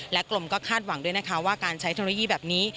กรมก็คาดหวังด้วยนะคะว่าการใช้เทคโนโลยีแบบนี้